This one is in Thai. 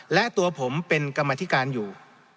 และตัวผมเป็นกรรมธิการอยู่